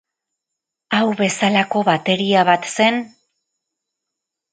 Hau bezalako bateria bat zen?